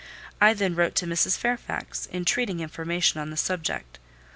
I then wrote to Mrs. Fairfax, entreating information on the subject.